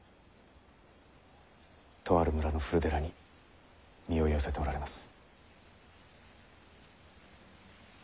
とある村の古寺に身を寄せておられます。